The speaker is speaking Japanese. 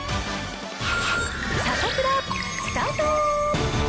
サタプラスタート。